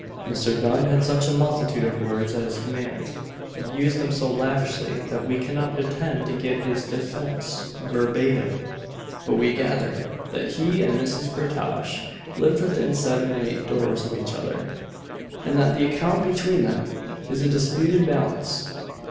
Mr. Dunn had such a multitude of words at his command, and used them so lavishly, that we cannot pretend to give his defence verbatim; but we gathered, that he and Mrs. Groutage lived within seven or eight doors of each other, and that the account between them is a disputed balance.